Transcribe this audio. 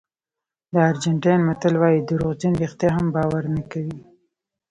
د ارجنټاین متل وایي دروغجن رښتیا هم باور نه کوي.